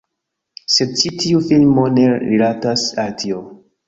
Sed ĉi tiu filmo ne rilatas al tio.